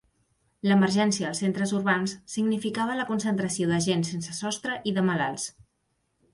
L"emergència als centres urbans significava la concentració de gent sense sostre i de malalts.